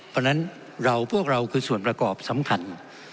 เพราะฉะนั้นเราพวกเราคือส่วนประกอบสำคัญ